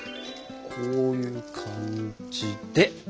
こういう感じでＯＫ！